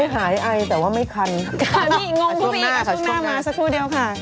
หันหมด